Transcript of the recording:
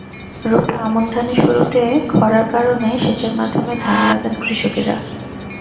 রোপা আমন ধানের শুরুতে খরার কারণে সেচের মাধ্যমে ধান লাগান কৃষকেরা।